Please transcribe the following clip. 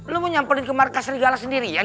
lo mau nyamperin ke markas serigala sendiri yan